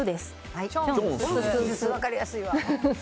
分かりやすいわ。